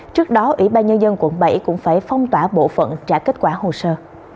trước đó ủy ban nhân dân quận bảy cũng phải phong tỏa bộ phận trả kết quả hồ sơ